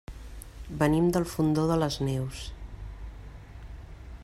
Venim del Fondó de les Neus.